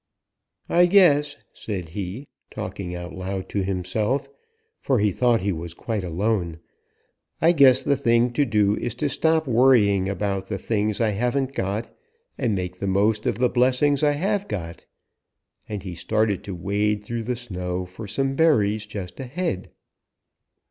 "'I guess,' said he, talking out loud to himself, for he thought he was quite alone, 'I guess the thing to do is to stop worrying about the things I haven't got and make the most of the blessings I have got,' and he started to wade through the snow for some berries just ahead.